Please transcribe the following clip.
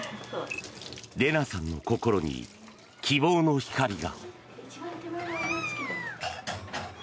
レナさんの心に希望の光が。